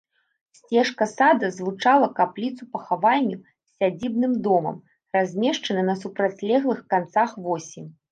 Сцежка сада злучала капліцу-пахавальню з сядзібным домам, размешчаны на супрацьлеглых канцах восі.